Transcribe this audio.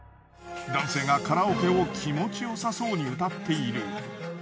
男性がカラオケを気持ちよさそうに歌っている。